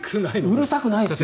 うるさくないですよ。